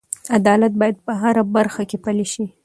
عدالت باید په هره برخه کې پلی شي.